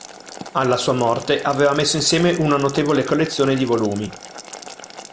Alla sua morte, aveva messo insieme una notevole collezione di volumi.